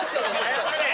謝れ！